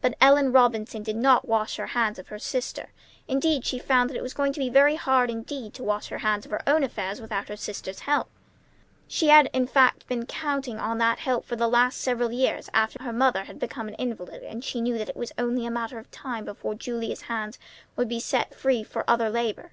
But Ellen Robinson did not wash her hands of her sister. Instead, she found that it was going to be very hard indeed to wash her hands of her own affairs without her sister's help. She had, in fact, been counting on that help for the last several years, after her mother became an invalid and she knew that it was only a matter of time before Julia's hands would be set free for other labor.